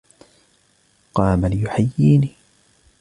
قام ليحييني.